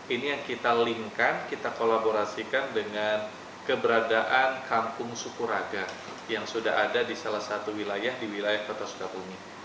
ini yang kita link kan kita kolaborasikan dengan keberadaan kampung sukuraga yang sudah ada di salah satu wilayah di wilayah kota sukabumi